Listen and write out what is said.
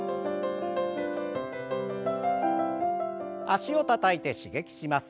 脚をたたいて刺激します。